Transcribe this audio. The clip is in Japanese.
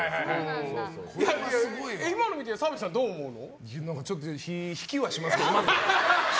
今の見て澤部さんどう思うの？